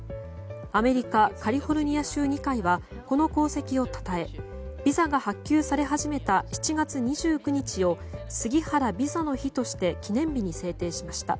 アメリカ・カリフォルニア州議会はこの功績をたたえビザが発給され始めた７月２９日を杉原ビザの日として記念日に制定しました。